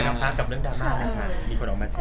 มีคนออกมาแชร์